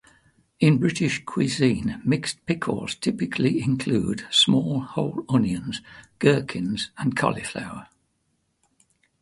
In British cuisine, mixed pickles typically include small whole onions, gherkins, and cauliflower.